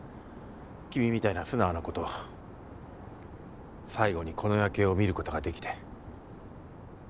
君みたいな素直な子と最後にこの夜景を見ることが出来て。